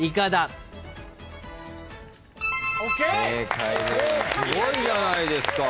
すごいじゃないですか。